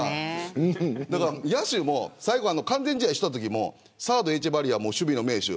野手も最後、完全試合したときもサード、エチェバリアも守備の名手。